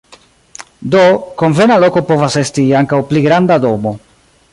Do, konvena loko povas esti ankaŭ pli granda domo.